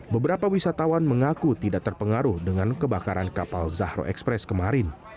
beberapa wisatawan mengaku tidak terpengaruh dengan kebakaran kapal zahro express kemarin